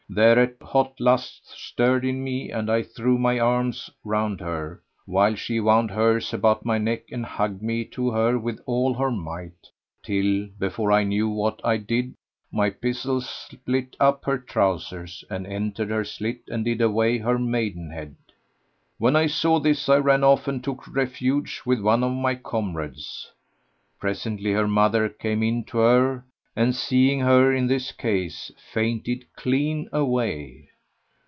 Thereat hot lust stirred in me and I threw my arms round her, while she wound hers about my neck and hugged me to her with all her might, till, before I knew what I did, my pizzle split up her trousers and entered her slit and did away her maidenhead. When I saw this, I ran off and took refuge with one of my comrades. Presently her mother came in to her; and, seeing her in this case, fainted clean away.